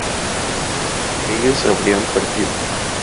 ellos habrían partido